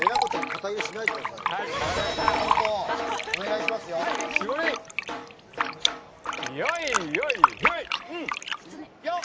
えなこちゃんに肩入れしないでくださいよ。